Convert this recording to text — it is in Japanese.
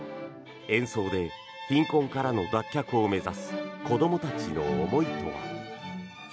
演奏で貧困からの脱却を目指す子どもたちの思いとは。